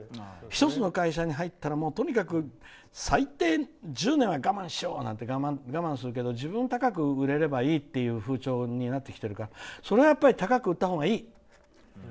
１つの会社に入ったらとにかく最低１０年は我慢しようなんて我慢するけど自分を高く売れればいいという風潮になってきてるからそれは高く売った方がいい。